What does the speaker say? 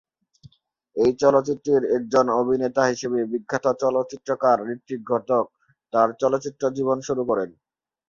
এই চলচ্চিত্রের একজন অভিনেতা হিসেবে বিখ্যাত চলচ্চিত্রকার ঋত্বিক ঘটক তাঁর চলচ্চিত্র জীবন শুরু করেন।